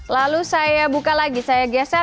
lalu saya buka lagi saya geser